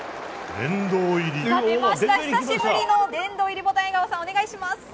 久々の殿堂入りボタン江川さん、お願いします。